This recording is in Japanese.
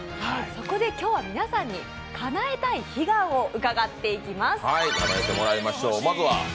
そこで今日は皆さんに、かなえたい悲願を伺っていきます。